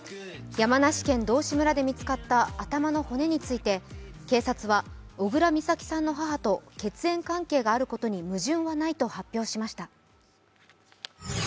山梨県道志村で見つかった頭の骨について警察は小倉美咲さんの母と血縁関係があることに矛盾はないと発表しました。